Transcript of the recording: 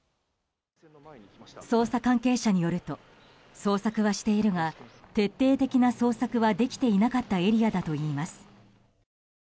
捜査関係者によると捜索はしているが徹底的な捜索はできていなかったエリアだといいます。